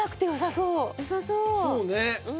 そうね。